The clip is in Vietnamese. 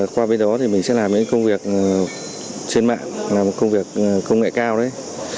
qua bên đó thì mình sẽ làm những công việc trên mạng làm công việc công nghệ cao đấy